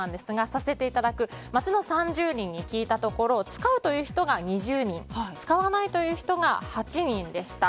させていただく街の３０人に聞いたところ使うという人が２０人使わないという人が８人でした。